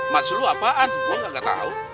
mas lu apaan gue gak tau